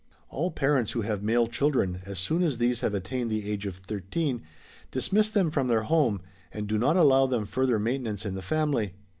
[All parents who have male children, as soon as these have attained the age of 13, dismiss them from their home, and do not allow them further maintenance in the family.